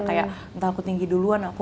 kayak entah aku tinggi duluan aku